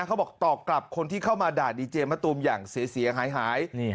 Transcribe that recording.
เขาบอกต่อกลับคนที่เข้ามาด่าดีเจมส์มัตตูมอย่างเสียเสียหายหายนี่ค่ะ